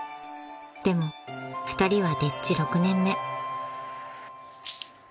［でも２人は丁稚６年目］